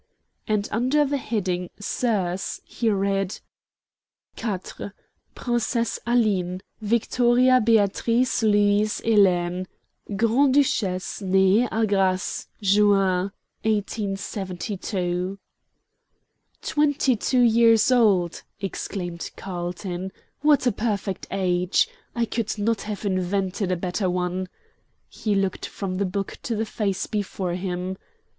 And under the heading "Soeurs" he read: "4. Psse Aline. Victoria Beatrix Louise Helene, Alt. Gr. Duc. Nee a Grasse, Juin, 1872." "Twenty two years old," exclaimed Carlton. "What a perfect age! I could not have invented a better one." He looked from the book to the face before him.